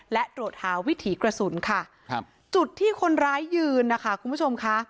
และตรวจหาวิถีกระสุนค่ะครับจุดที่คนร้ายยืนนะคะคุณผู้ชมค่ะ